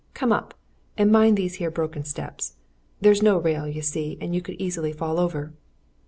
Come up and mind these here broken steps there's no rail, you see, and you could easy fall over."